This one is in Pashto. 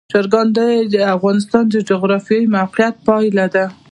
چرګان د افغانستان د جغرافیایي موقیعت پایله ده.